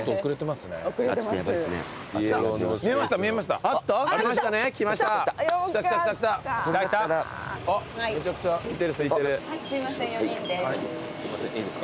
すいません４人です。